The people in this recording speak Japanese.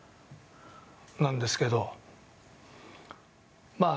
なんですけどまあ